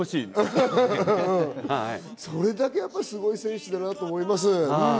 それだけすごい選手だなと思います。